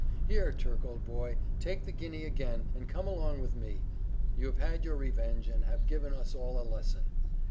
"Here, Turk, old boy, take the guinea again, and come along with me! you have had your revenge, and have given us all a lesson."